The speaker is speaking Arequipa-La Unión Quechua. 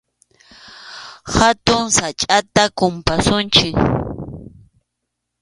Hatun sachʼata kumpasunchik.